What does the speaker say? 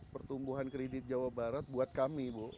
pertumbuhan kredit jawa barat buat kami bu